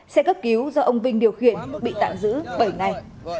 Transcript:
xe cấp cứu do ông vinh điều khiển bị tạm giữ bảy ngày